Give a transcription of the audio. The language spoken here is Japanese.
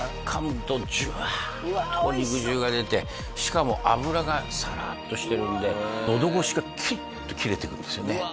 噛むとジュワーッと肉汁が出てしかも脂がサラーッとしてるんでのど越しがキッと切れていくんですよね